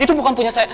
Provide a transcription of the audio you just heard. itu bukan punya saya